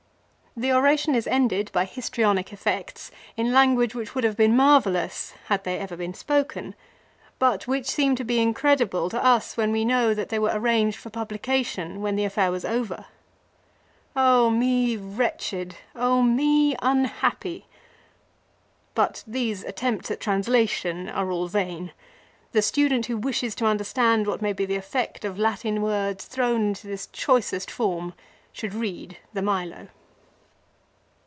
The oration is ended by histrionic effects in language which would have been marvellous had they ever been spoken, but which seem to be incredible to us when we know that they were arranged for publication when the affair was over. " me wretched ! me unhappy !" 2 But these attempts at translation are all vain. The student who wishes to understand what may be the effect of Latin words thrown into this choicest form should read the Milo.